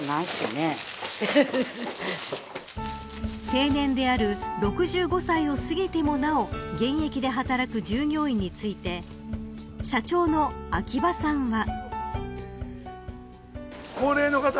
定年である６５歳を過ぎてもなお現役で働く従業員について社長の秋葉さんは。